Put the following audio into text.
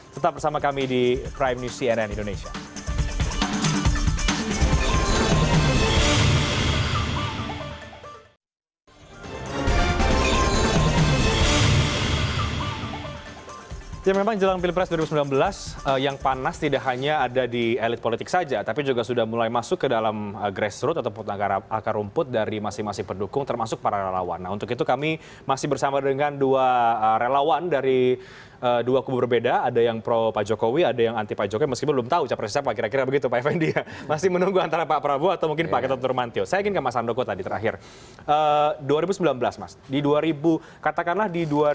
terima kasih terima kasih terima kasih terima kasih terima kasih terima kasih terima kasih yeah